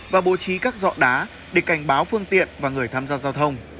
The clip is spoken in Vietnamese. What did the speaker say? và bố trí các dọ đá để cảnh báo phương tiện và người tham gia giao thông